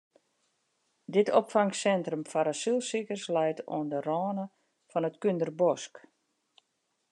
Dit opfangsintrum foar asylsikers leit oan de râne fan it Kúnderbosk.